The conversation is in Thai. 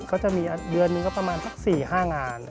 ก็จะมีเดือนหนึ่งก็ประมาณสัก๔๕งาน